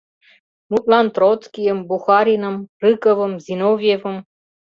Мутлан, Троцкийым, Бухариным, Рыковым, Зиновьевым...